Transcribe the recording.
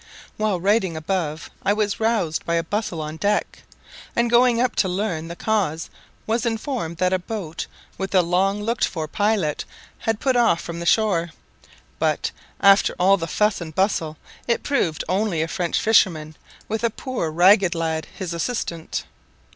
While writing above I was roused by a bustle on deck, and going up to learn the cause was informed that a boat with the long looked for pilot had put off from the shore; but, after all the fuss and bustle, it proved only a French fisherman, with a poor ragged lad, his assistant.